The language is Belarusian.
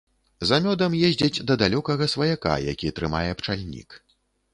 За мёдам ездзяць да далёкага сваяка, які трымае пчальнік.